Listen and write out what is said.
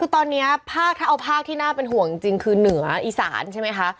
ถ้าเอาภาคหน้าเป็นห่วงจริงคือเหนืออิสาณส์ใช่ไหมคะ